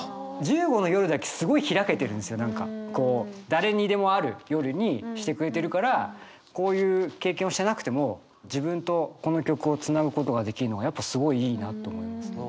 誰にでもある夜にしてくれてるからこういう経験をしてなくても自分とこの曲をつなぐことができるのがやっぱすごいいいなと思いますね。